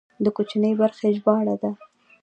د کوچنۍ برخې ژباړه ده.